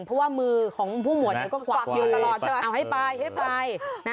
เพราะว่ามือของผู้หมวดก็กวัดอยู่เอาให้ไป